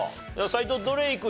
斎藤どれいく？